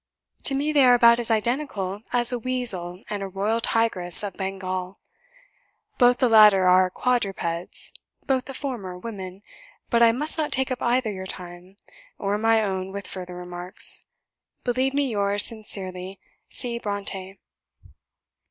To me they are about as identical as a weazel and a royal tigress of Bengal; both the latter are quadrupeds, both the former, women. But I must not take up either your time or my own with further remarks. Believe me yours sincerely, "C. BRONTË."